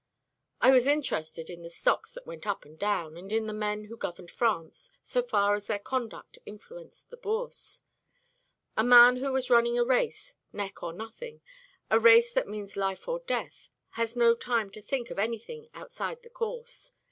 "I was interested in the stocks that went up and down, and in the men who governed France, so far as their conduct influenced the Bourse. A man who is running a race, neck or nothing, a race that means life or death, has no time to think of anything outside the course.